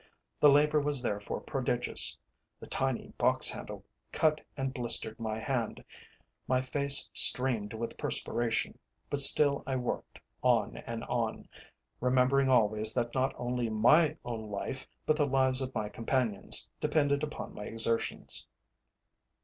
The labour was therefore prodigious; the tiny box handle cut and blistered my hand, my face streamed with perspiration, but still I worked on and on, remembering always that not only my own life, but the lives of my companions, depended upon my exertions.